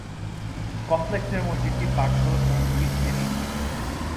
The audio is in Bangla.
কমপ্লেক্সের মসজিদটি পাথর ও ইট দিয়ে দিয়ে নির্মিত।